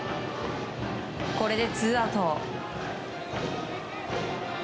これでツーアウト。